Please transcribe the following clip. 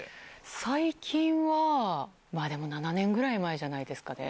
最近は、でも７年ぐらい前じゃないですかね。